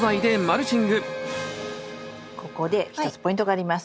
ここで一つポイントがあります。